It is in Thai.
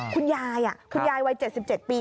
คุณยายคุณยายวัย๗๗ปี